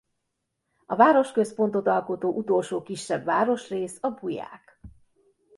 A városközpontot alkotó utolsó kisebb városrész a Buják.